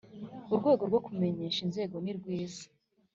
urwego rwo kumenyesha inzego nirwiza